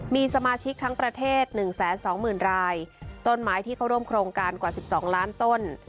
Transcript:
มีสมาชิกทั้งประเทศ๑๒๐๐๐รายต้นไม้ที่เข้าร่วมโครงการกว่า๑๒ล้านต้น